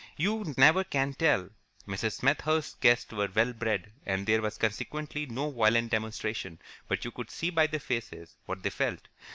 You never can tell. Mrs. Smethurst's guests were well bred, and there was consequently no violent demonstration, but you could see by their faces what they felt.